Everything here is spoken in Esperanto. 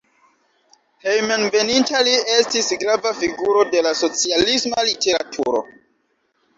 Hejmenveninta li estis grava figuro de la socialisma literaturo.